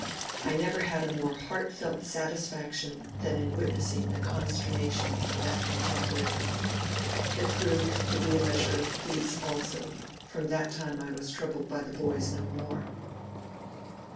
I never had a more heartfelt satisfaction than in witnessing the consternation of that con temporary. It proved to be a measure of peace, also ; from that time I was troubled by the boys no more.